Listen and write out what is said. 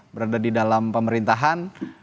berada di dalam pemerintahan